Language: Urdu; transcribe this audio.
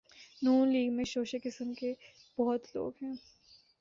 ن لیگ میں شوشے قسم کے بہت لوگ ہیں۔